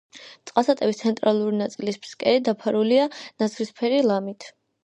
წყალსატევის ცენტრალური ნაწილის ფსკერი დაფარულია ნაცრისფერი ლამით.